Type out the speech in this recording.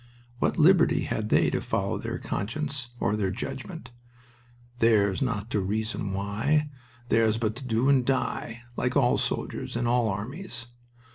What liberty had they to follow their conscience or their judgment "Theirs not to reason why, theirs but to do and die" like all soldiers in all armies.